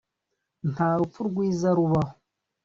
“Nta rupfu rwiza rubaho